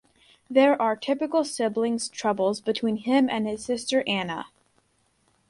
There are typical siblings troubles between him and his sister Anna.